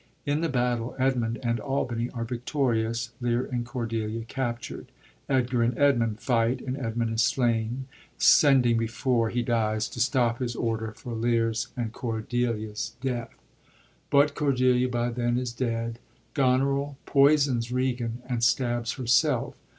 In the battle, Edmund and Albany are victorious ; Lear and Coidelia captured. Edgar and Edmund flght, and Edmund is slain, sending before he dies to stop his order for Lear's and Cordelia's 126 ANTONY AND CLEOPATRA death. But Cordelia by then is dead. Gk>neril poisons Began, and stabs herself.